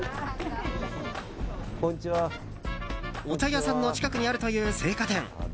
お茶屋さんの近くにあるという青果店。